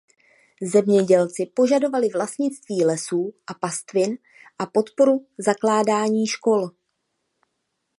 Zemědělci požadovali vlastnictví lesů a pastvin a podporu zakládání škol.